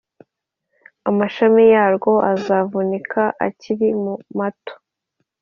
Amashami yarwo azavunika akiri mato,